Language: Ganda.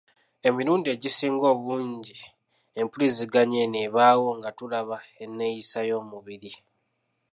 Emirundi egisinga obungi empuliziganya eno ebaawo nga tulaba enneeyisa y’omubiri.